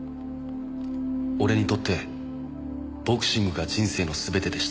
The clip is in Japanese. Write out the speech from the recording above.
「俺にとってボクシングが人生のすべてでした」